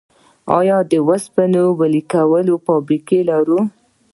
آیا د وسپنې ویلې کولو فابریکه لرو؟